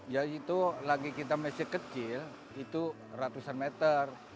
ya itu lagi kita masih kecil itu ratusan meter